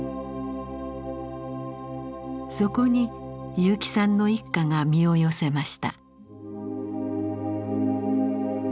そこに結城さんの一家が身を寄せました。